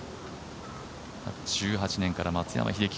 １８年から松山英樹